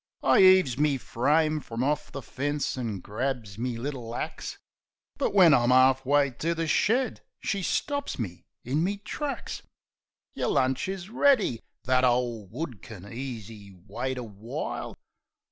I 'eaves me frame frum orf the fence, an' grabs me little axe; But, when I'm 'arf way to the shed, she stops me in me tracks. "Yer lunch is ready. That ole wood kin easy wait a while."